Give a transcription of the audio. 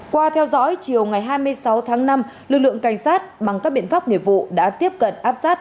qua theo dõi chiều ngày hai mươi sáu tháng năm lực lượng cảnh sát bằng các biện pháp nghiệp vụ đã tiếp cận áp sát